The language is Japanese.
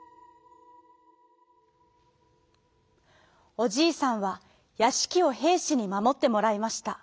おじいさんはやしきをへいしにまもってもらいました。